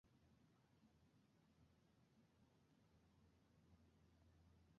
তিনি ইতেহাদ মাধ্যমিক বিদ্যালয়ে পড়াশোনা চালিয়ে যান, যেখানে তিনি ফরাসি ও হিব্রু শেখেন।